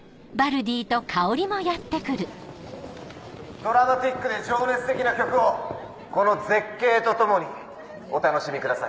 ドラマチックで情熱的な曲をこの絶景とともにお楽しみください。